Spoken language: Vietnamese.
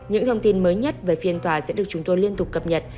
những thông tin mới nhất về phiên tòa sẽ được chúng tôi liên tục cập nhật